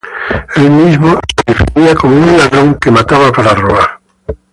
El mismo se definía como un "ladrón" que mataba para robar.